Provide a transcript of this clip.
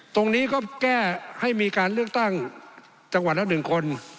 ตรงนี้ก็แก้ให้มีการเลือกตั้งจังหวัดละ๑คน